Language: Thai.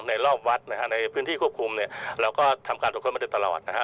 รอบวัดนะฮะในพื้นที่ควบคุมเนี่ยเราก็ทำการตรวจค้นมาโดยตลอดนะฮะ